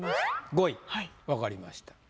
５位分かりました。